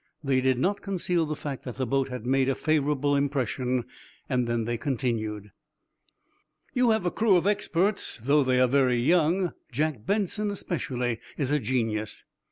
They did not conceal the fact that the boat had made a favorable impression, then they continued: "You have a crew of experts, though they are very young. John Benson especially is a genius."